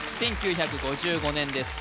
１９５５年です